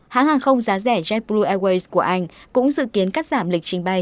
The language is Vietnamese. hãng hàng không giá rẻ japboo airways của anh cũng dự kiến cắt giảm lịch trình bay